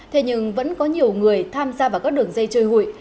thế nhưng vẫn có nhiều người tham gia vào các đường dây chơi hụi